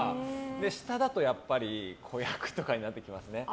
下だとやっぱり子役とかになってきますね。